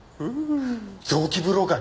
臓器ブローカーに？